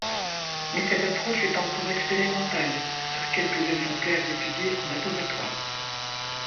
Mais cette approche est encore expérimentale, sur quelques exemplaires étudiés en laboratoire.